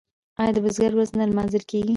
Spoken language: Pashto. آیا د بزګر ورځ نه لمانځل کیږي؟